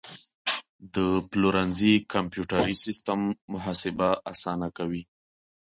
د پلورنځي کمپیوټري سیستم محاسبه اسانه کوي.